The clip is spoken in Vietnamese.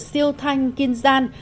siêu thanh kinzhan